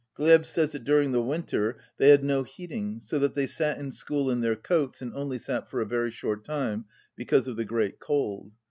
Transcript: Glyeb says that during the winter they had no heating, so that they sat in school in their coats, and only sat for a very short time, because of the great cold.